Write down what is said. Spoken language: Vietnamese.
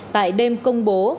tại đêm công bố